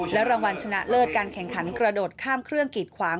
รางวัลชนะเลิศการแข่งขันกระโดดข้ามเครื่องกีดขวาง